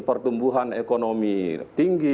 pertumbuhan ekonomi tinggi